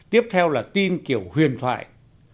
tiếp theo là tin kiểu huyền thoại